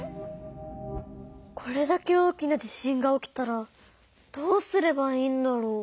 これだけ大きな地震が起きたらどうすればいいんだろう？